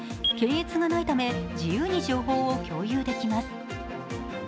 検閲がないため、自由に情報を共有できます。